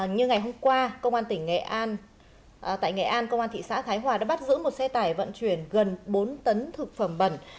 như ngày hôm qua công an tỉnh nghệ an tại nghệ an công an thị xã thái hòa đã bắt giữ một xe tải vận chuyển gần bốn tấn thực phẩm bẩn